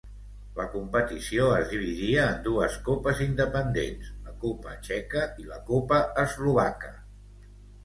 La competició es dividia en dues copes independents: la copa txeca i la copa eslovaca.